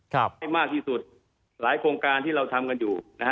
ให้มากที่สุดหลายโครงการที่เราทำกันอยู่นะฮะ